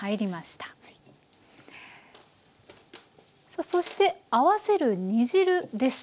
さあそして合わせる煮汁です。